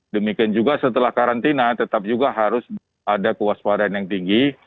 demikian juga setelah karantina tetap juga harus ada kewaspadaan yang tinggi